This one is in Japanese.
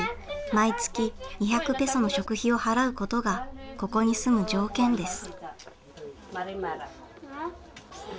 毎月２００ペソの食費を払うことがここに住む条件です。